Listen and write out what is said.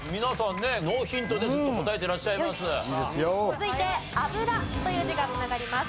続いて「油」という字が繋がります。